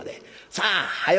さあはよ